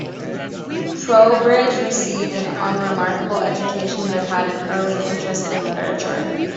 Trowbridge received an unremarkable education, but had an early interest in literature.